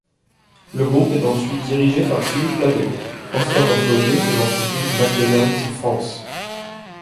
Le groupe est ensuite dirigé par Philippe Labbé, ancien employé de l'entreprise McDonald’s France.